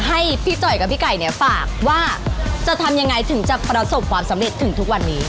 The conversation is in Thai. ให้พี่จ่อยกับพี่ไก่เนี่ยฝากว่าจะทำยังไงถึงจะประสบความสำเร็จถึงทุกวันนี้